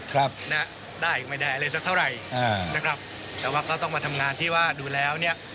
ครับนะได้ไม่ได้อะไรสักเท่าไหร่อ่านะครับแต่ว่าก็ต้องมาทำงานที่ว่าดูแล้วเนี้ย